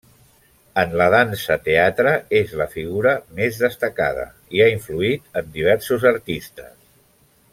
En la dansa teatre, és la figura més destacada i ha influït en diversos artistes.